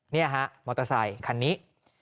นี่ฮะมอเตอร์ไซคันนี้